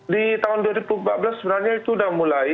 di tahun dua ribu empat belas sebenarnya itu sudah mulai